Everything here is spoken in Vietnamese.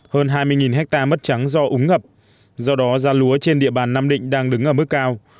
hơn hai mươi hectare mất trắng do úng ngập do đó giá lúa trên địa bàn nam định đang đứng ở mức cao